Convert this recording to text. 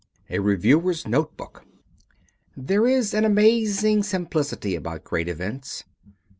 A Reviewer's Notebook There is an amazing simplicity about great events.